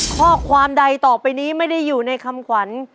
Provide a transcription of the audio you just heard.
ข้อความใดต่อไปนี้ไม่ได้อยู่ในคำขวัญ